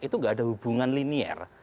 itu gak ada hubungan linier